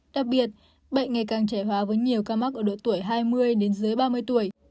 đặc biệt bệnh ngày càng trẻ hóa với nhiều ca mắc ở độ tuổi hai mươi ba mươi tuổi